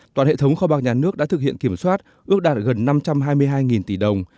toàn hệ thống kho bạc nhà nước đã thực hiện kiểm soát ước đạt gần năm trăm hai mươi hai tỷ đồng